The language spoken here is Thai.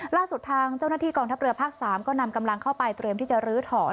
ล่าสุดทางเจ้าหน้าที่กองทัพเรือภาค๓ก็นำกำลังเข้าไปเตรียมที่จะลื้อถอน